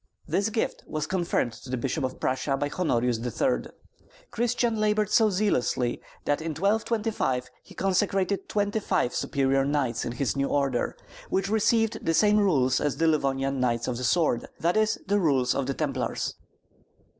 This gift was confirmed to the Bishop of Prussia by Honorius III. Christian labored so zealously that in 1225 he consecrated twenty five superior knights in his new order, which received the same rules as the Livonian Knights of the Sword, that is, the rules of the Templars.